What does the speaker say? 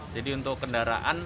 jadi untuk kendaraan